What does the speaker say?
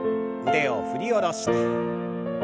腕を振り下ろして。